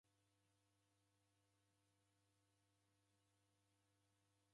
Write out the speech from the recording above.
Nani uw'inekie rusa w'ipwane?